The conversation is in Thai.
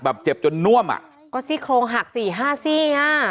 แบบเจ็บจนน่วมอะก็ซิโครงหัก๔๕ซี่อะ